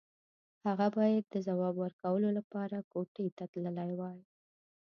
هغه بايد د ځواب ورکولو لپاره کوټې ته تللی وای.